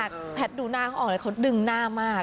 แต่แพทย์ดูหน้าเขาออกเลยเขาดึงหน้ามาก